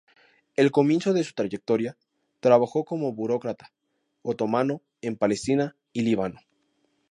Al comienzo de su trayectoria, trabajó como burócrata otomano en Palestina y Líbano.